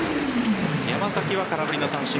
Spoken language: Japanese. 山崎は空振りの三振。